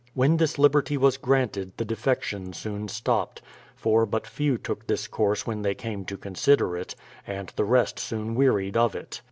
When this lib erty was granted the defection soon stopped, for but few took this course when they came to consider it, and the rest soon wearied of it.